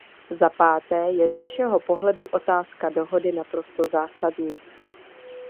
Za páté je z našeho pohledu otázka dohody naprosto zásadní.